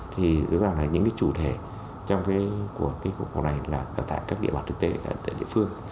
thì thực ra là những cái chủ thể trong cái khu này là ở tại các địa bàn thực tế ở tại địa phương